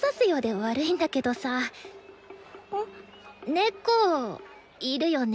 猫いるよね？